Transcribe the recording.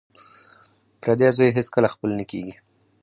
پردی زوی هېڅکله خپل نه کیږي